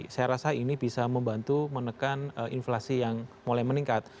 saya rasa ini bisa membantu menekan inflasi yang mulai meningkat